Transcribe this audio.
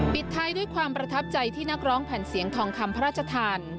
ปิดท้ายด้วยความประทับใจที่นักร้องแผ่นเสียงทองคำพระราชทาน